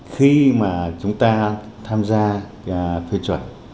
khi chúng ta tham gia phê chuẩn